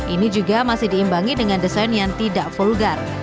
ini juga masih diimbangi dengan desain yang tidak vulgar